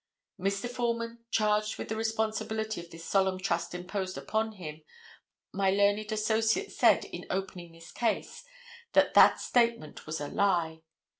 Mr. Foreman, charged with the responsibility of the solemn trust imposed upon him, my learned associate said in opening this case that that statement was a lie.